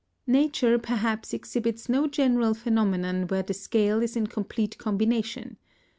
Nature perhaps exhibits no general phenomenon where the scale is in complete combination.